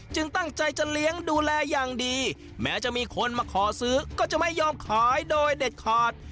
ตั้งใจจะเลี้ยงดูแลอย่างดีแม้จะมีคนมาขอซื้อก็จะไม่ยอมขายโดยเด็ดขาด